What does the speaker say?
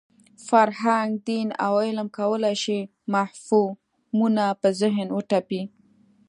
فرهنګ، دین او علم کولای شي مفهومونه په ذهن وتپي.